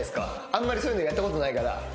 あんまりそういうのやったことないから。